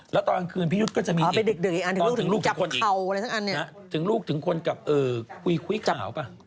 แล้วตอนกลางคืนพี่ยุทธก็จะมีอีกถึงลูกถึงคนกับคุยก่าวป่ะ